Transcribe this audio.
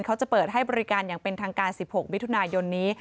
เขาจะเปิดให้บริการอย่างเป็นทางการ๑๖มิถุนายนนี้